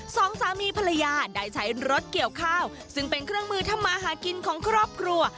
สองสามีภรรยาได้ใช้รถเกี่ยวข้าวซึ่งเป็นเครื่องมือทำมาหากินของครอบครัว